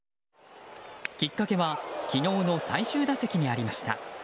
きっかけは昨日の最終打席にありました。